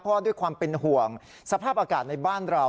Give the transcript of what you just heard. เพราะว่าด้วยความเป็นห่วงสภาพอากาศในบ้านเรา